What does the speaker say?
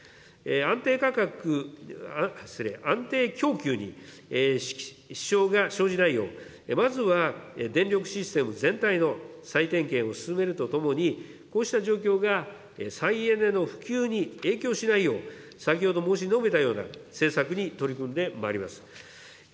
安定価格、失礼、安定供給に支障が生じないよう、まずは、電力システム全体の再点検を進めるとともに、こうした状況が再エネの普及に影響しないよう、先ほど申し述べたような、政策に取り組んでまいります。